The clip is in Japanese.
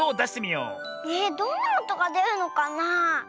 えどんなおとがでるのかなあ。